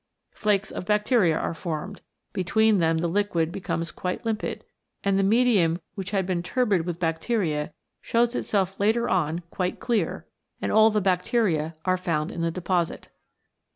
Flakes of bacteria are formed, between them the liquid becomes quite limpid, and the medium which had been turbid with bacteria shows itself later on quite clear, and CHEMICAL PHENOMENA IN LIFE all the bacteria are found in the deposit.